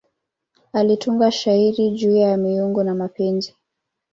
Alitunga shairi juu ya miungu na mapenzi.